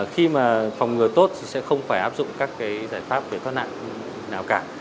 khi mà phòng ngừa tốt thì sẽ không phải áp dụng các giải pháp về thoát nạn nào cả